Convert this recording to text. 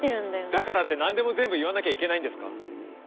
だからって何でも全部言わなきゃいけないんですか？